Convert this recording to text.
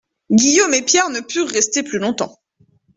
Guillaume et Pierre ne purent rester plus longtemps.